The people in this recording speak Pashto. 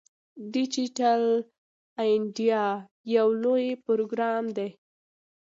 ډیجیټل انډیا یو لوی پروګرام دی.